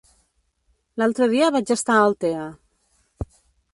L'altre dia vaig estar a Altea.